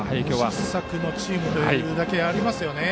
無失策のチームというだけありますね。